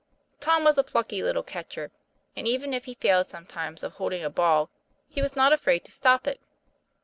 Tom was a plucky little catcher, and even if he failed sometimes of holding a ball he was not afraid to stop it.